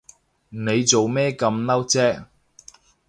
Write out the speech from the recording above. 你做咩咁嬲啫？